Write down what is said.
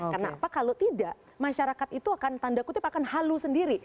kenapa kalau tidak masyarakat itu akan tanda kutip akan halus sendiri